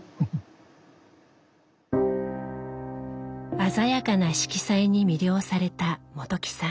鮮やかな色彩に魅了された本木さん。